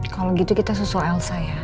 kalo gitu kita susul elsa ya